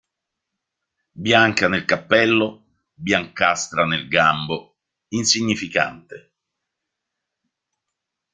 Bianca nel cappello, biancastra nel gambo, insignificante.